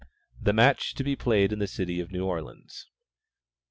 The match to be played in the city of New Orleans.